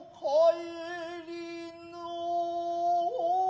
はい。